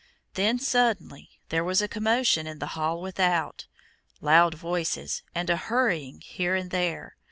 Then, suddenly, there was a commotion in the hall without, loud voices, and a hurrying here and there.